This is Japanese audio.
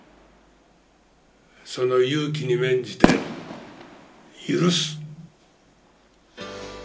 その勇気に免じて許す。